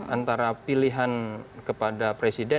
antara pilihan kepada presiden